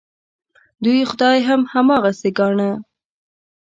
دوی خدای هم هماغسې ګاڼه.